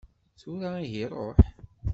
Tura ihi ṛuḥ!